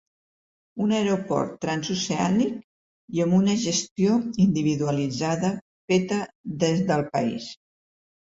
Un aeroport transoceànic i amb una gestió individualitzada, feta des del país.